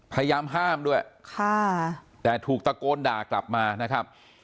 พยายามห้ามด้วยค่ะแต่ถูกตะโกนด่ากลับมานะครับ